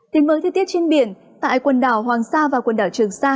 đến với thời tiết trên biển tại quần đảo hoàng sa và quần đảo trường sa